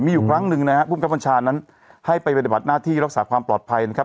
มีอยู่ครั้งหนึ่งนะครับภูมิกับบัญชานั้นให้ไปปฏิบัติหน้าที่รักษาความปลอดภัยนะครับ